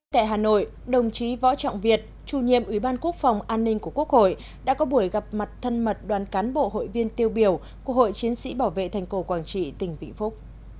tại hà nội đồng chí võ trọng việt chủ nhiệm ủy ban quốc phòng an ninh của quốc hội đã có buổi gặp mặt thân mật đoàn cán bộ hội viên tiêu biểu của hội chiến sĩ bảo vệ thành cổ quảng trị tỉnh vĩnh phúc